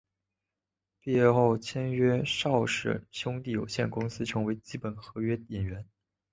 毕业后签约邵氏兄弟有限公司成为基本合约演员。